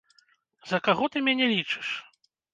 За каго ты мяне лічыш?